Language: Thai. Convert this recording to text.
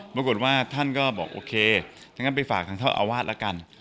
ปรากฏว่าท่านก็บอกโอเคอย่างนั้นไปฝากทางเจ้าอาวาสแล้วกัน